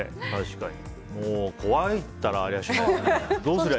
もう怖いったらありゃしない。